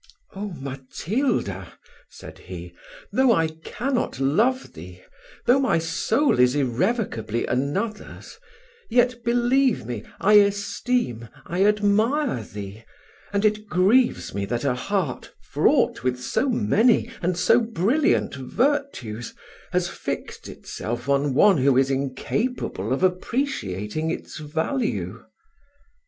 "Oh! Matilda," said he, "though I cannot love thee though my soul is irrevocably another's yet, believe me, I esteem, I admire thee; and it grieves me that a heart, fraught with so many and so brilliant virtues, has fixed itself on one who is incapable of appreciating its value."